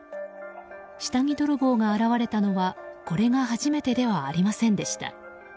下着泥棒が現れたのはこれが初めてではありませんでした。